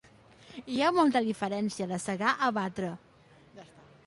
Hi ha molta diferència de segar a batre.